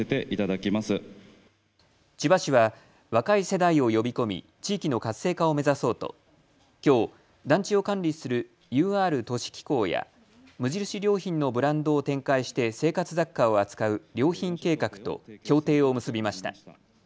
千葉市は若い世代を呼び込み地域の活性化を目指そうときょう団地を管理するＵＲ都市機構や無印良品のブランドを展開して生活雑貨を扱う良品計画と協定を結びました。